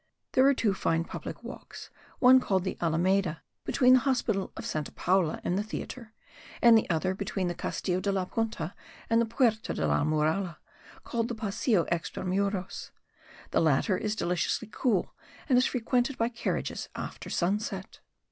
There are two fine public walks; one called the Alameda, between the hospital of Santa Paula and the theatre, and the other between the Castillo de la Punta and the Puerta de la Muralla, called the Paseo extra muros; the latter is deliciously cool and is frequented by carriages after sunset.